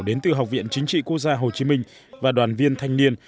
đến từ học viện chính trị quốc gia hồ chí minh và đoàn viên thanh niên